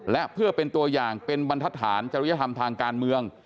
และเพื่อเป็นตัวอย่างเป็นบรรทฐานจริยธรรมทางการเมือง